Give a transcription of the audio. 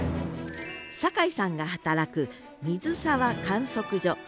酒井さんが働く水沢観測所。